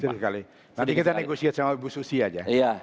nanti kita negosiasi sama ibu susi aja